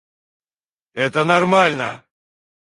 Это нормально?